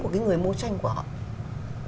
của cái người mua tranh của họ